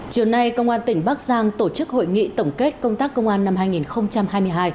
chiều nay công an tỉnh bắc giang tổ chức hội nghị tổng kết công tác công an năm hai nghìn hai mươi hai